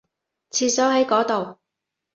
廁所喺嗰度